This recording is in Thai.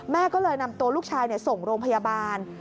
ก็เลยนำตัวลูกชายส่งโรงพยาบาล